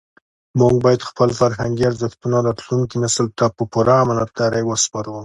موږ باید خپل فرهنګي ارزښتونه راتلونکي نسل ته په پوره امانتدارۍ وسپارو.